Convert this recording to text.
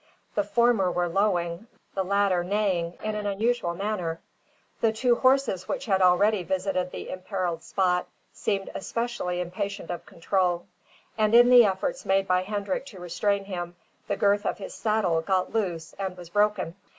The former were lowing, the latter neighing, in an unusual manner. The two horses which had already visited the imperilled spot, seemed especially impatient of control; and, in the efforts made by Hendrik to restrain him, the girth of his saddle got loose and was broken.